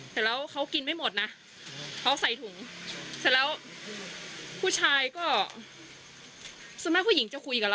แต่แล้วเขากินไม่หมดนะเขาใส่ถุง